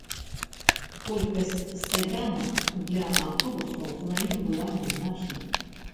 Колькасць стаянак для аўтобусаў на ім была нязначнай.